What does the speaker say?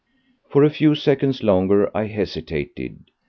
For a few seconds longer I hesitated.